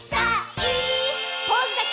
「ポーズだけ！」